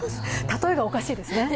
たとえがおかしいですね。